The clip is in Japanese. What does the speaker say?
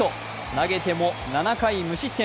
投げても７回無失点。